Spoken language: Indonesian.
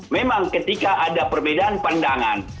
memang ketika ada perbedaan pandangan